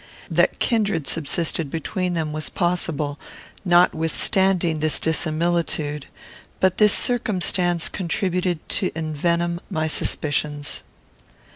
That kindred subsisted between them was possible, notwithstanding this dissimilitude; but this circumstance contributed to envenom my suspicions.